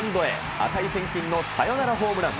値千金のサヨナラホームラン。